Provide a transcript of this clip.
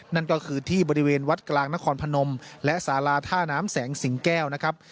นั่นก็คือที่บริเวณวัดกลางนครพนมและสาราท่าน้ำแสงสิงแก้วนะครับ